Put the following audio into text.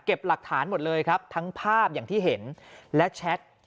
หลักฐานหมดเลยครับทั้งภาพอย่างที่เห็นและแชท